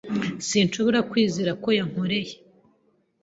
Sinshobora kwizera ko yankoreye